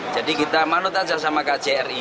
jadi kita manut aja sama kak cri